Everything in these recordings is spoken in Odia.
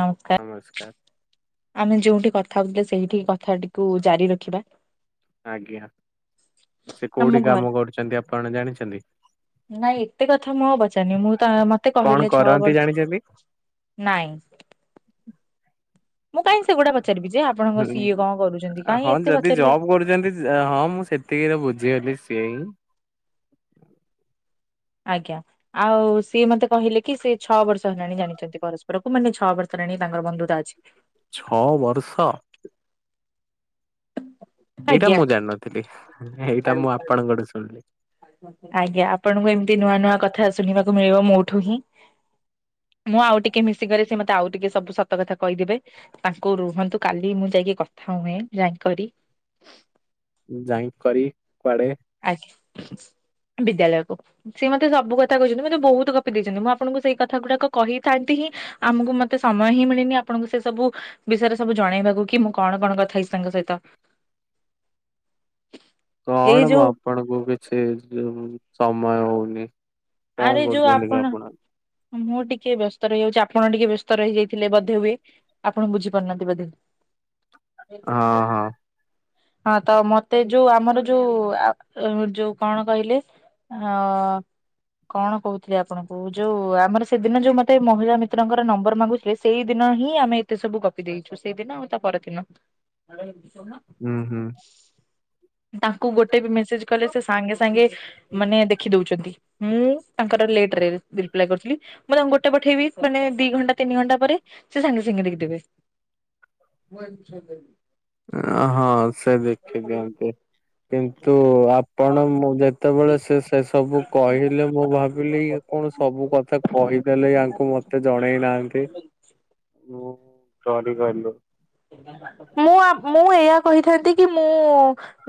ନମସ୍କାର ଆମେ ଯୋଉଠି କଥା ହଉଥିଲେ ସେଇଠି କଥାଟିକୁ ଜାରି ରଖିବା। ଆଜ୍ଞା ସେ ଆମ କୋଉଠି ଘରେ କାମ କରୁଛନ୍ତି ଆପଣ ଜାଣିଛନ୍ତି। ନାଇଁ ଏତେ କଥା ମୁଁ ଆଉ ପଚାରିନି ମୁଁ ତ ମତେ କଣ କହିଲେ ଛଅ କରନ୍ତି ବର୍ଷ। ଜାଣିଛନ୍ତି? ନାଇଁ। ମୁଁ କାହିଁ ସେଗୁଡା ପଚାରିବି ଯେ ଆପଣଙ୍କ ହୁଁ, ସିଏ କଣ କରୁଛନ୍ତି କାହିଁ ଏତେ ପଚାରିବି ମୁଁ। ଯେମତି ହଁ ମୁଁ ସେତିକି ତ ବୁଝିଗଲି ସିଏ ହିଁ। ଆଜ୍ଞା। ଆଉ ସିଏ ମତେ କହିଲେ କି ସେ ଛଅ ବର୍ଷ ହେଲାଣି ଜାଣିଛନ୍ତି ପରସ୍ପରକୁ ମାନେ ଛଅ ବର୍ଷ ହେଲାଣି ତାଙ୍କର ବନ୍ଧୁତା ଅଛି। ଛଅ ବର୍ଷ। ଏଇଟା ଆଜ୍ଞା। ମୁଁ ଜାଣିନଥିଲି ଏଇଟା ମୁଁ ଆପଣଙ୍କଠୁ ଶୁଣିଲି। ଆଜ୍ଞା ଆପଣଙ୍କୁ ଏମିତି ନୂଆ ନୂଆ କଥା ଶୁଣିବାକୁ ମିଳିବ ମୋଠୁ ହିଁ। ମୁଁ ଆଉ ଟିକେ ମିଶିଗଲେ ସେ ମତେ ଆଉ ଟିକେ ସବୁ ସତ କଥା କହିଦେବେ। ତାଙ୍କୁ ରୁହନ୍ତୁ କାଲି ମୁଁ ଯାଇକି କଥା ହୁଏ ଯାଇକରି। ଯାଇ କରି କୁଆଡେ। ଆଜ୍ଞା ବିଦ୍ୟାଳୟକୁ। ସିଏ ମତେ ସବୁକଥା କହିଛନ୍ତି ମୋତେ ବହୁତ ଗପି ଦେଇଛନ୍ତି ମୁଁ ଆପଣଙ୍କୁ ସେଇ କଥା ଗୁଡାକ କହିଥାନ୍ତି ହିଁ। ଆମକୁ ମତେ ସମୟ ହିଁ ମିଳିନି ଆପଣଙ୍କୁ ସେ ସବୁ। ବିଷୟରେ ସବୁ ଜଣେଇବାକୁ କି ମୁଁ କଣ କଣ କଥା ହେଇଛି ତାଙ୍କ ସହିତ। [inaudible] କଣ ମ ଯୋଉ ଆପଣଙ୍କୁ କିଛି ସମୟ ହଉନି। କଣ ଆରେ ଯୋଉ କରୁଛନ୍ତି କି ଆପଣ। ମୁଁ ଟିକେ ବ୍ୟସ୍ତ ରହିଯାଉଛି ଆପଣ ଟିକେ ବ୍ୟସ୍ତ ରହିଯାଇଥିଲେ ବଧେ ହୁଏ। ଆପଣ ବୁଝିପାରୁନାହାନ୍ତି ବୋଧେ। ହଁ ହଁ ହଁ ତ ମତେ ଯୋଉ ଆମର ଯୋଉ ଯୋଉ କଣ କହିଲେ। ହଁ। କଣ କହୁଥିଲି ଆପଣଙ୍କୁ ଯୋଉ ଆମର ସେଦିନ ଯୋଉ ମତେ ମହିଳା ମିତ୍ରଙ୍କର ନମ୍ବର ମାଗୁଥିଲେ। ସେଇ ଦିନ ହିଁ ଆମେ ଏତେ ସବୁ ଗପି ଦେଇଛୁ ସେଇଦିନ ଆଉ ତା ପରଦିନ। ହୁଁ ହୁଁ। ତାଙ୍କୁ ଗୋଟେ ବି ମେସେଜ୍ କଲେ ସେ ସାଙ୍ଗେ ସାଙ୍ଗେ ମାନେ ଦେଖି ଦଉଛନ୍ତି। ମୁଁ ତାଙ୍କର ଲେଟରେ ରିପ୍ଲାଏ କରିଥିଲି ମୁଁ ତାଙ୍କୁ ଗୋଟେ ପଠେଇବି ମାନେ ଦି ଘଣ୍ଟା ତିନି ଘଣ୍ଟା ପରେ। ସେ ସାଙ୍ଗେ ସାଙ୍ଗେ ଦେଖିଦେବେ। ଅ ହଁ ସେ ଦେଖି ଦିଅନ୍ତି। କିନ୍ତୁ ଆପଣ ମୁଁ ଯେତେବେଳେ ସେ ସେ ସବୁ କହିଲେ ମୁଁ ଭାବିଲି କି। କଣ ସବୁ କଥା କହିଦେଲେ ୟାଙ୍କୁ ମତେ ଜଣେଇନାହାନ୍ତି। ବଞ୍ଚ ସରି କହିଲୁ। ମୁଁ ମୁଁ ଏହା କହିଥାନ୍ତି କି ମୁଁ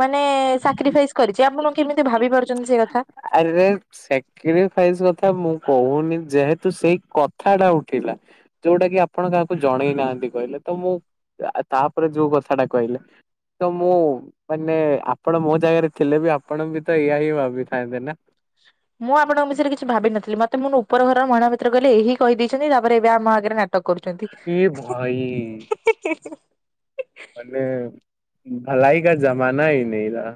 ମାନେ ସାକ୍ରିଫାଇସ୍ କରିଛି ଆପଣ କେମିତି ଭାବି ପାରୁଛନ୍ତି ସେ କଥା। ଆରେରେ ସେକ୍ରିଫାଇସ କଥା ମୁଁ କହୁନି ଯେହେତୁ ସେଇ କଥା ଟା ଉଠିଲା। ଯୋଉଟା କି ଆପଣ କାହାକୁ ଜଣେଇ ନାହାନ୍ତି କହିଲେ ତ ମୁଁ ତାପରେ ଯୋଉ କଥାଟା କହିଲେ ତ ମୁଁ ମାନେ ଆପଣ ମୋ ଜାଗାରେ ଥିଲେ ବି ଆପଣ ବି ତ ଇଆ ହିଁ ଭାବି [unintelligible] ନା [inaudible] ମୁଁ ଆପଣଙ୍କ ବିଷୟରେ କିଛି ଭାବିିନଥିଲି ମତେ ମୁଁ ଉପର ଘରମହିଳା ମିତ୍ର କହିଲେ ଏହି କହିଦେଇଛନ୍ତି ତାପରେ ଏବେ ଆମ ଆଗରେ ନା ଟକ କରୁଛନ୍ତି। ଏ ଭାଇ [unintelligible] ମାନେ ଭଲାଇ କା ଜମାନା ଇ ନାଇଇରା।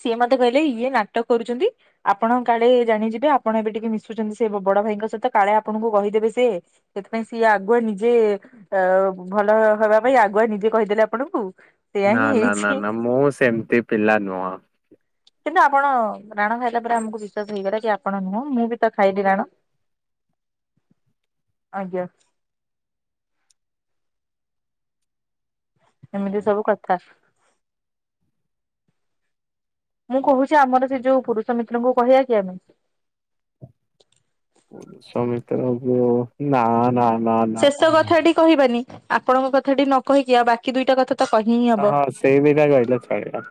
ସିଏ ମତେ କହିଲେ ଇଏ ନାଟକ କରୁଛନ୍ତି। ଆପଣ କାଳେ ଜାଣିଯିବେ ଆପଣ ଏବେ ଟିକେ ମିଶୁଛନ୍ତି ସେ ବଡ ଭାଇଙ୍କ ସହିତ କାଳେ ଆପଣଙ୍କୁ କହିଦେବେ ସେ ସେଥିପାଇଁ ସିଏ ଆଗୁଆ ନିଜେ ଅ ଭଲ ହବା ପାଇଁ ଆଗୁଆ ନିଜେ କହିଦେଲେ ଆପଣଙ୍କୁ ସେଇୟା ନା ହିଁ ନା ନା ହେଇଛି ନା ମୁଁ ସେମିତି ପିଲା ନୁହଁ। କିନ୍ତୁ ଆପଣ ରାଣ ଖାଇଲା ପରେ ଆମକୁ ବିଶ୍ଵାସ ହେଇଗଲା କି ଆପଣ ନୁହଁ ମୁଁ ବି ତ ଖାଇଲି ରାଣ। ଆଜ୍ଞା। ଏମିତି ସବୁ କଥା। ମୁଁ କହୁଛି ଆମର ସେ ଯୋଉ ପୁରୁଷ ମିତ୍ରଙ୍କୁ କହିବା କି ଆମେ। ପୁରୁଷ ମିତ୍ରକୁ ନା ନା ନା ନା। କଥା କହିବାନି ଆପଣଙ୍କ କଥାଟି ନ କହିକି ଆଉ ବାକି ଦୁଇଟା କଥା ତ କହି ହିଁ ହବ। ହଁ ସେଇ ଦିଟା କହିଲେ ଚଳିବ।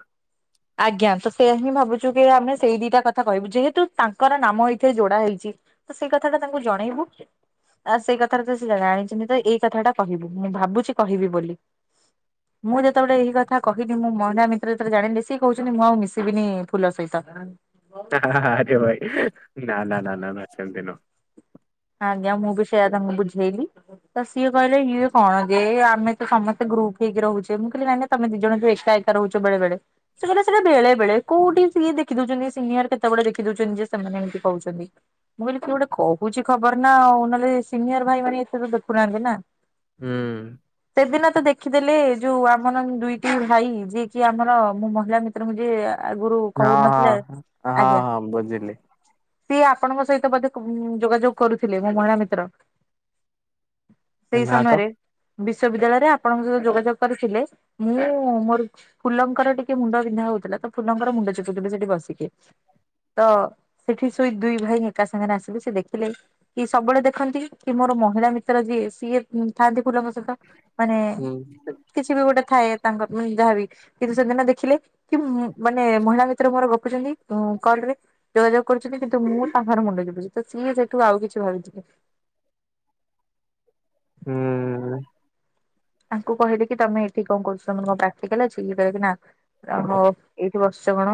ଆଜ୍ଞା ତ ସେୟା ହିଁ ଭାବୁଛୁ କି ଆମେ ସେଇ ଦିଟା କଥା କହିବୁ ଯେହେତୁ ତାଙ୍କର ନାମ ଏଇଥିରେ ଯୋଡା ହେଇଛି। ସେଇ କଥାଟା ତାଙ୍କୁ ଜଣେଇବୁ। ଆ ସେଇ କଥାଟା ତ ସେ ଜାଣିଛନ୍ତି ତ ଏଇ କଥାଟା କହିବୁ ମୁଁ ଭାବୁଛି କହିବି ବୋଲି। ମୁଁ ଯେତେବେଳେ ଏଇ କଥା କହିଲି ମୁଁ ମହିଳା ମିତ୍ର ଯେତେବେଳେ ଜାଣିଲେ ସି କହୁଛନ୍ତି ମୁଁ ଆଉ ମିଶିବିନି ଫୁଲ ସହିତ। ଆରେ ଭାଇ ନା, ନା, ନା, ନା, ସେମିତି ନୁହଁ। ଆଜ୍ଞା ମୁଁ ବି ସେୟା ତାଙ୍କୁ ବୁଝେଇଲି। ତ ସିଏ କହିଲେ ଇଏ କଣ ଯେ ଆମେ ତ ସମସ୍ତେ ଗ୍ରୁପ ହେଇକି ରହୁଛେ ମୁଁ କହିଲି ନା ତମେ ଦିଇଜଣ ଯଉ ଏକା ରହୁଛ ବେଳେ ବେଳେ। ସେମାନେ ସେଟା ବେଳେ ବେଳେ କୋଉଠି ସିଏ ଦେଖି ଦଉଛନ୍ତି ସିନିୟର କେତେବେଳେ ଦେଖି ଦଉଛନ୍ତି ଯେ ସେମାନେ ଏମିତି କହୁଛନ୍ତି। ମୁଁ କହିଲି କି ଗୋଟେ କହୁଛି ଖବର ନା ଆଉ ନହେଲେ ସିନିୟର ଭାଇ ମାନେ ଏତେ ତ ଦେଖୁନାହାନ୍ତି ନା। ହୁଁ। ସେ ଦିନ ତ ଦେଖିଦେଲେ ଯୋଉ ଆମର ଦୁଇଟି ଭାଇ ଯିଏ କି ଆମର ମୋ ମହିଳା ମିତ୍ରଙ୍କୁ ଯିଏ ଆଗୁରୁ ହଁ କହୁନଥିଲେ ହଁ ହଁ ଆଜ୍ଞା। ହଁ ବୁଝିଲି ସିଏ ଆପଣଙ୍କ ସହିତ ବୋଧେ ଯୋଗାଯୋଗ କରୁଥିଲେ ମୋ ମହିଳା ମିତ୍ର। ସେଇ ନା ତ। ସମୟରେ ବିଶ୍ବିଦ୍ୟାଳୟରେ ଆପଣଙ୍କ ସହିତ ଯୋଗାଯୋଗ କରିଥିଲେ ମୁଁ ମୋର ଫୁଲଙ୍କର ଟିକେ ମୁଣ୍ଡ ବିନ୍ଧା ହଉଥିଲା ତ ଫୁଲଙ୍କର ମୁଣ୍ଡ ଚିପୁଥିଲି ସେଠି ବସିକି। ତ ସେଠି ଶୋଇ ଦୁଇ ଭାଇ ଏକା ସାଙ୍ଗରେ ଆସିଲେ ସେ ଦେଖିଲେ କି ସବୁବେଳେ ଦେଖନ୍ତି କି ମୋର ମହିଳା ମିତ୍ର ଯିଏ ସିଏ ଥାଆନ୍ତି ଫୁଲଙ୍କ ସହିତ। ମାନେ ହୁଁ କିଛି ବି ଗୋଟେ ଥାଏ ତାଙ୍କ ଯାହା ବି। କିନ୍ତୁ ସେଦିନ ଦେଖିଲେ କି ମାନେ ମହିଳା ମିତ୍ର ମୋର ଗପୁଛନ୍ତି କଲରେ ଯୋଗାଯୋଗ କରୁଛନ୍ତି କିନ୍ତୁ ମୁଁ ତାଙ୍କର ମୁଣ୍ଡ ଚିପୁଛି ତ ସିଏ ସେଇଠୁ ଆଉ କିଛି ଭାବିଦେଲେ। ହୁଁ। ତାଙ୍କୁ କହିଲେ କି ତମେ ଏଠି କଣ କରୁଛ, ତମର ପ୍ରାକ୍ଟିକାଲ ଅଛି କି ସେ କହିଲା ନା, ହୋ। ଏଇଠି ବର୍ଷେ କଣ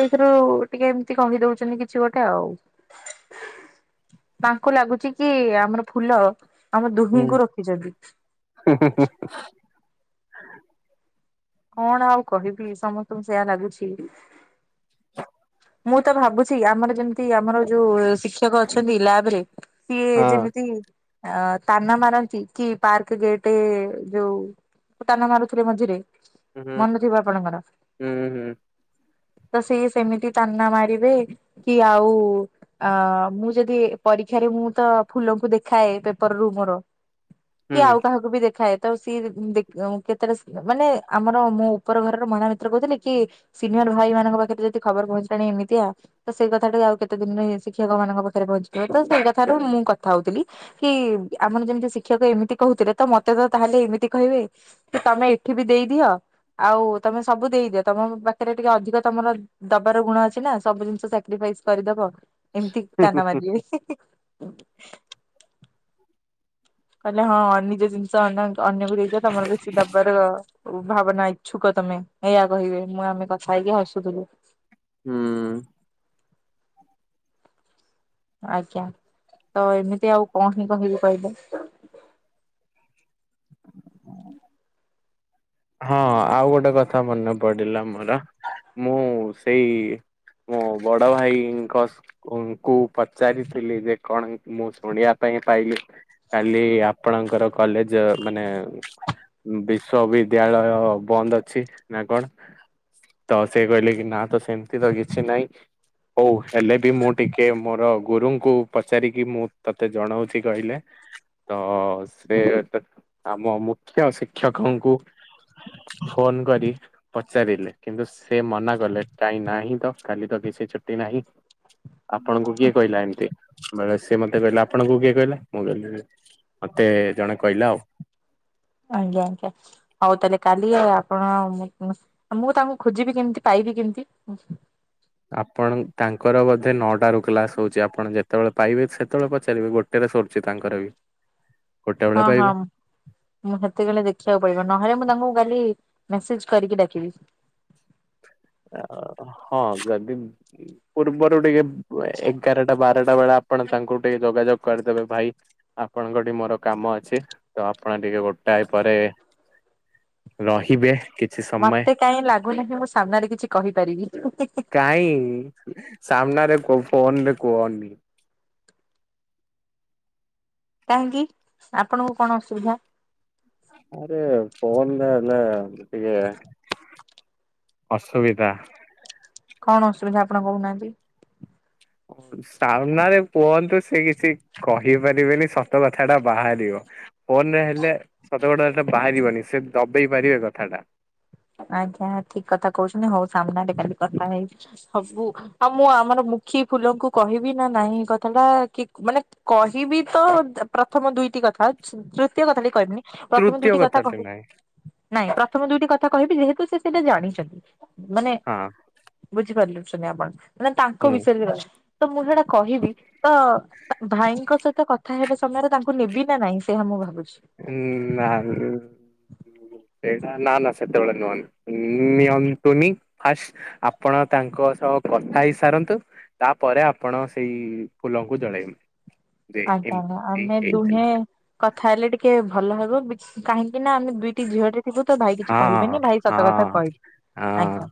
ଏଇଥିରୁ ଟିକେ ଏମିତି କହି ଦଉଚନ୍ତି କିଛି ଗୋଟେ ଆଉ। ତାଙ୍କୁ ଲାଗୁଛି କି ଆମର ଫୁଲ ଆମ ହୁଁ ଦୁହିଁଙ୍କୁ ରଖିଚନ୍ତି। [inaudible] କଣ ଆଉ କହିବି ସମସ୍ତଙ୍କୁ ସେୟା ଲାଗୁଚି। ମୁଁ ତ ଭାବୁଚି ଆମର ଯେମିତ ଆମର ଯୋଉ ଶିକ୍ଷକ ଅଛନ୍ତି ଲ୍ୟାବ ରେ ସିଏ ହଁ। ଯେମିତି ଅ ତାନା ମାରନ୍ତି କି ପାର୍କ ଗେଟ ଯୋଉ ତାନା ମାରୁଥିଲେ ମଝିରେ ହୁଁ ମନେଥିବ ଆପଣଙ୍କର। ହୁଁ ତ ସିଏ ସେମିତି ତାନା ମାରିବେ କି ଆଉ ଅ ମୁଁ ଯଦି ପରୀକ୍ଷାରେ ମୁଁ ତ ଫୁଲଙ୍କୁ ଦେଖାଏ ପେପର ରୁ ମୋର। ହୁଁ କି ଆଉ କାହାକୁ ବି ଦେଖାଏ। ତ ସିଏକେ କେତେବେଳେ ମାନେ ଆମର ମୋ ଉପର ଘରର ମହିଳା ମିତ୍ର କହୁଥିଲେ କି ସିନିୟର ଭାଇ ମାନଙ୍କ ପାଖରେ ଯଦି ଖବର ପହଞ୍ଚିଲାଣି ଏମିତିଆ ତ ସେଇ କଥା ଟା ଆଉ କେତେ ଦିନରେ ଶିକ୍ଷକ ମାନଙ୍କ ପାଖରେ ପହଞ୍ଚିଯିବ ତ ସେଇ କଥାରୁ ମୁଁ କଥା ହଉଥିଲି। କି ଆମର ଯେମିତି ଶିକ୍ଷକ ଏମିତି କହୁଥିଲେ ତ ମତେ ତ ତାହେଲେ ଏମିତି କହିବେ। କି ତମେ ଏଠି ବି ଦେଇଦିଅ। ଆଉ ତମେ ସବୁ ଦେଇଦିଅ ତମ ପାଖରେ ଟିକେ ଅଧିକ ତମର ଦବା ର ଗୁଣ ଅଛି ନା ସବୁ ଜିନିଷ ସାକ୍ରିଫାଇସ କରିଦବ ଏମିତି ହୁଁ ତାନା ମାରିବେ। [inaudible] କହିଲେ ହଁ ନିଜ ଜିନିଷ ଅନ୍ୟକୁ ଦେଇଦିଅ ତମର କିଛି ଦେବାର ଭାବନା ଇଚ୍ଛୁକ ତମେ ଏଇଆ କହିବେ ମୁଁ ଆମେ କଥା ହେଇକି ହସୁଥିଲୁ। ହୁଁ। ଆଜ୍ଞା ତ ଏମିତି ଆଉ କଣ ହିଁ କହିବି କହିଲେ। ହଁ ଆଉ ଗୋଟେ କଥା ମନେ ପଡିଲା ମୋର ମୁଁ ସେଇ ମୋ ବଡ ଭାଇଙ୍କ ଙ୍କୁ ପଚାରିଥିଲି ଯେ କଣ ମୁଁ ଶୁଣିବା ପାଇଁ ପାଇଲି କାଲି ଆପଣଙ୍କର କଲେଜ ମାନେ ଅ ବିଶ୍ୱବିଦ ବିଦ୍ୟାଳୟ ବନ୍ଦ ଅଛି ନାକଣ? ତ ସେ କହିଲେ କି ନା ତ ସେମିତି ତ କିଛି ନାହିଁ। ହଉ ହେଲେ ବି ମୁଁ ଟିକେ ମୋର ଗୁରୁଙ୍କୁ ପଚାରିକି ମୁଁ ତତେ ଜଣଉଚି କହିଲେ। ତ ସେ ଆମ ମୁଖ୍ୟ ଶିକ୍ଷକଙ୍କୁ ଫୋନ କରି ପଚାରିଲେ କିନ୍ତୁ ସେ ମନା କଲେ କାଇ ନାହିଁ ତ କାଲି ତ କିଛି ଛୁଟି ନାହିଁ। [inaudible] ଆପଣଙ୍କୁ କିଏ କହିଲା ଏମିତି, ବଲେ ସିଏ ମତେ କହିଲା ଆପଣଙ୍କୁ କିଏ କହିଲା? ମୁଁ କହିଲି ମତେ ଜଣେ କହିଲା ଆଉ। ଆଜ୍ଞା ଆଜ୍ଞା। ହଉ ତାହେଲେ କାଲି ଆପଣ ମୁଁ ଆ ମୁଁ ତାଙ୍କୁ ଖୋଜିବି କେମିତି ପାଇବି କେମିତି? ଆପଣ ତାଙ୍କର ବୋଧେ ନଅଟା ରୁ କ୍ଲାସ ହଉଚି ଆପଣ ଯେତେବେଳେ ପାଇବେ ସେତେବେଳେ ପଚାରିବେ। ଗୋଟ ଟେବେଳେ ସରୁଚି ତାଙ୍କର ବି। ଗୋଟେ ବେଳେ ହଁ ପାଇବେ। ହଁ। ମୁଁ ସେତେକଳେ ଦେଖିବାକୁ ପଡିବ ନହେଲେ ମୁଁ ତାଙ୍କୁ କାଲି ମେସେଜ କରିକି ଡାକିବି। ହଁ ଯଦି ପୂର୍ବରୁ ଟିକେ ଏଗାରଟା ବାରଟା ବେଳେ ଆପଣ ତାଙ୍କୁ ଟିକେ ଯୋଗାଯୋଗ କରିଦେବେ ଭାଇ ଆପଣଙ୍କଠିକି ମୋର କାମ ଅଛି ତ ଆପଣ ଟିକେ ଗୋଟାଏ ପରେ ରହିବେ କି ମତେ କାହିଁ ଲାଗୁନାହିଁ ମୁଁ ସାମ୍ନାରେ କିଛି କହିପାରିବି। କାଇଁ ସାମ୍ନାରେ କୁହ ଫୋନରେ କୁହନି। କାହିଁକି ଆପଣଙ୍କୁ କଣ ଅସୁବିଧା? ଆରେ ଫୋନରେ ଏବେ ଟିକେ ଅସୁବିଧା। କଣ ଅସୁବିଧା ଆପଣ କହୁନାହାନ୍ତି। ହ [inaudible] ସାମ୍ନାରେ କୁହନ୍ତୁ ସେ ସେଇଛି କହିପାରିବେନି ସତ କଥା ଟା ବାହାରିବ। ଫୋନ ରେ ହେଲେ ସତ କଥାଟା ବାହାରିବନି ସେ ଦବେଇ ପାରିବେ କଥାଟା। ଆଜ୍ଞା ଠିକ କଥା କହୁଛନ୍ତି ହଉ ସାମ୍ନାାରେେ ଖାଲି କଥା ହେଇ ହବୁ ଆଉ ମୁଁ ଆମର ମୁଖୀ ଫୁଲଙ୍କୁ କହିବି ନା ନାଇଁ କଥା ଟା କି ମାନେ କହିବି ତ ପ୍ରଥମ ଦୁଇଟି କଥା ତୃତୀୟ କଥା ଟି କହିବିନି। ପ୍ରଥମେ ତୃତୀୟ ଦୁଇଟି କଥା କଥାଟି କହେ ନାହିଁ ନାଇଁ ପ୍ରଥମ ଦୁଇଟି କଥା କହିବି ଯେହେତୁ ସେ ସେଇଟା ଜାଣିଛନ୍ତି ମାନେ ହଁ ବୁଝିପାରିଲୁ ସୁନି ଆପଣ ମେ ତାଙ୍କ ହୁଁ ବିଷୟରେ ତ ମୁଁ ସେଇଟା କହିବି ତ ଭାଇଙ୍କ ସହିତ କଥା କଥା ହେବା ସମୟରେ ତାଙ୍କୁ ନେବି ନା ନାଇଁ ସେ ମୁଁ ଭାବୁଛି। ହୁଁ ବା ସେଇଟା ନା ନା ସେତେବେଳେ ନୁହନ ନିଅନ୍ତୁନି ଫାଷ୍ଟ ଆପଣ ତାଙ୍କ ସହ କଥା ହେଇ ସାରନ୍ତୁ ତାପରେ ଆପଣ ସେଇ ଫୁଲଙ୍କୁ ଜଳେଇବେ ଯେ ଆଜ୍ଞା ଆ୍ା ଏମିତି ଆମେ ହେଇଥିଲା ଦୁହେଁ କଥା ହେଲେ ଟିକେ ଭଲ ହବ କାହିଁକି ନା ଆମେ ଦୁଇଟି ଝିଅଟେ ଥିବ ତ ଭାଇ ହଁ କିଛି କହିବେନି ଭାଇ ହଁ ସତ ହଁ। କଥା କହିବି ହଁ ଆଜ୍ଞା।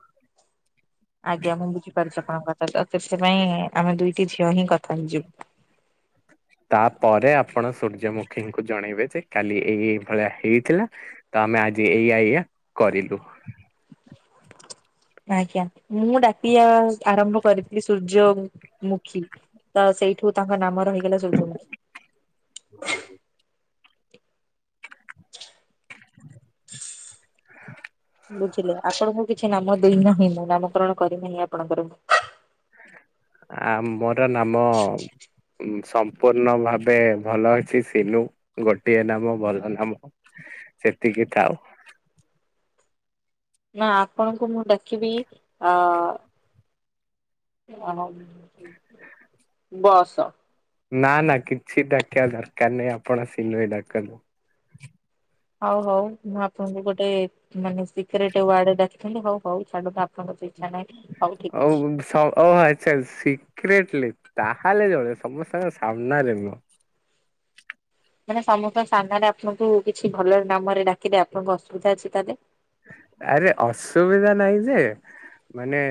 ଆଜ୍ଞା ମୁଁ ବୁଝିପାରୁଛି ଆପଣଙ୍କ କଥା ସେଥିପାଇଁ ଆମେ ଦୁଇଟି ଝିଅ ହିଁ କଥା ହେଇଯୁ। ତାପରେ ଆପଣ ସୂର୍ଯ୍ୟମୁଖୀଙ୍କୁ ଜଣେଇବେ ଯେ କାଲି ଏଇ ଏଇ ଭଳିଆ ହେଇଥିଲା। ତ ଆମେ ଆଜି ଏଇଆା ଏଇଆ କରିଲୁ। ଆଜ୍ଞା ମୁଁ ଡାକିଆ ଆରମ୍ଭ କରିଥିଲି ସୂର୍ଯ୍ୟ ମୁଖୀ। ତ ସେଇଠୁ ତାଙ୍କ ନାମ ରହିଗଲା ସୂର୍ଯ୍ୟମୁଖୀ। ଭ [inaudible] ବୁଝିଲେ, ଆପଣଙ୍କୁ କିଛି ନାମ ଦିନ ହିଁ ମୁଁ ନାମକରଣ କରିବେନି ଆପଣଙ୍କର। ଆ ମୋର ନାମ ସମ୍ପୂର୍ଣ୍ଣ ଭାବେ ଭଲ ଅଛି ସିଲୁ। ଗୋଟିଏ ନାମ, ଭଲ ନାମ ସେତିକି ଥାଉ। ନା, ଆପଣଙ୍କୁ ମୁଁ ଡାକିବି ଅ ଅହ ବସ। ନା ନା କିଛି ଡାକିବା ଦରକାର ନାହିଁ ଆପଣ ସିନୁହିଁ ଡାକନ୍ତୁ। ହଉ ହଉ ମୁଁ ଆପଣଙ୍କୁ ଗୋଟେ ମାନେ ସିକ୍ରେଟ ୱାର୍ଡରେ ଡାକିଥାନ୍ତି ହଉ ହଉ ଛାଡନ୍ତୁ ଆପଣ ହୋଉ [inaudible] ସିକ୍ରେଟଲି ତାହେଲେ ଚଳିବ ସମସ୍ତଙ୍କ ସାମ୍ନାରେ ନୁହଁ। ମାନେ ସମସ୍ତଙ୍କ ସାମ୍ନାରେ ଆପଣଙ୍କୁ କିଛି ଭଲ ନାମରେ ଡାକିଲେ ଆପଣଙ୍କୁ ଅସୁବିଧା ଅଛି ତା ଦେଲେ। ଆରେ ଅସୁବିଧା ନାହିଁ ଯେ ମାନେ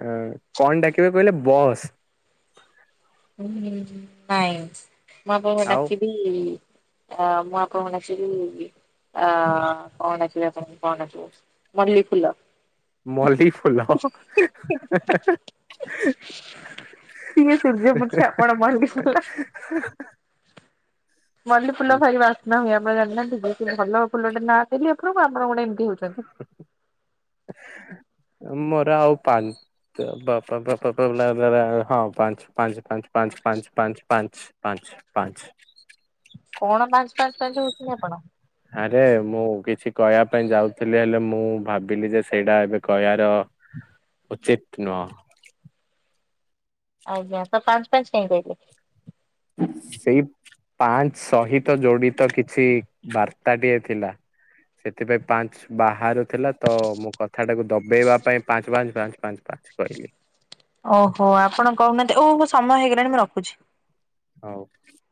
ଅ କଣ ଡାକିବେ କହିଲେ ବସ୍! ହୁଁ ହଁ ନାଇଁ ମୁଁ ଆପଣଙ୍କୁ ଆଉ ଡାକିବି, ଅ ମୁଁ ଆପଣଙ୍କୁ ଡାକିବି କଣ ଡାକିବି ଆପଣଙ୍କୁ କଣ ଡାକିବି। ମଲ୍ଲି ଫୁଲ। ମଲ୍ଲି ଫୁଲ ହା ହା ହା ସିଏ ସୂର୍ଯ୍ୟମୁଖୀ ଆପଣ ମଲ୍ଲି ଫୁଲ। ମଲ୍ଲି ଫୁଲ ଖାଲି ବାସ୍ନା ହୁଏ ଆପଣ ଜାଣନାହାନ୍ତିି ଭଲ ଫୁଲଟା ନାଁ ଦେଲି ଆପଣଙ୍କୁ ଆପଣ ଗୋଟ ଏମିତି ହଉଛନ୍ତି। ମୋର ଆଉ ପାଞ୍ଚ ବାପ ପପ ପପବେ ବଲା ଦ୍ୱାରାଉ [inaudible] ହଁ ପାଞ୍ଚ ପାଞ୍ଚ ପାଞ୍ଚ ପାଞ୍ଚ ପାଞ୍ଚ ପାଞ୍ଚ ପାଞ୍ଚ ପାଞ୍ଚ ପାଞ୍ଚ କଣ ପାଞ୍ଚ ପାଞ୍ଚ ପାଞ୍ଚ ହୋଉଛନ୍ତି ଆପଣ? ଆରେ ମୁଁ କିଛି କହିଆ ପାଇଁ ଯାଉଥିଲି, ହେଲେ ମୁଁ ଭାବିଲି ଯେ ସେଇଟା ଏବେ କହିଆର ହୁଁ ଉଚିତ୍ ନୁ [inaudible] ସେହି ପାଞ୍ଚ୍ ସହିତ ଯୋଡ଼ିତ କିଛି ବାର୍ତ୍ତା ଟିଏ ଥିଲା। ସେଥିରେ ପାଞ୍ଚ୍ ବାହାରୁ ଥିଲା ତ ମୁଁ କଥାଟାକୁ ଦବେଇବା ପାଇଁ, ପାଞ୍ଚ୍ ପାଞ୍ଚ୍ ପାଞ୍ଚ୍ କହିଲି। ଓହୋ, ଆପଣ କହୁନାହାନ୍ତି? ଓ ମୋ ସମୟ ହେଇଗଲାଣି ମୁଁ ରଖୁଛି। [inaudible]